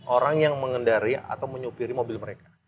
orang yang mengendari atau menyupiri mobil mereka